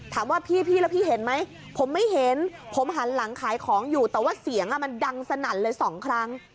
ถามว่าพี่แล้วพี่เห็นไหมผมไม่เห็นผมหันหลังขายของอยู่แต่ว่าเสียงมันดังสนั่นเลยสองครั้ง